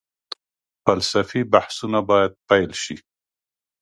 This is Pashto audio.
فلسفي بحثونه باید پيل شي.